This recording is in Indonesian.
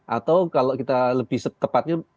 atau kalau kita lebih tepatnya